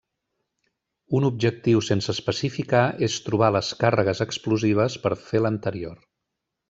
Un objectiu sense especificar és trobar les càrregues explosives per fer l'anterior.